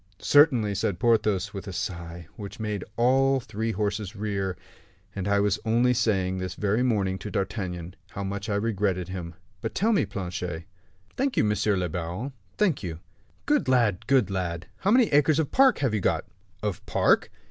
"Certainly," said Porthos, with a sigh which made all the three horses rear; "and I was only saying, this very morning, to D'Artagnan, how much I regretted him. But tell me, Planchet?" "Thank you, monsieur le baron, thank you." "Good lad, good lad! How many acres of park have you got?" "Of park?"